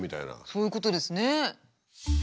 そういうことですね。